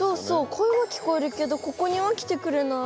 声は聞こえるけどここには来てくれない。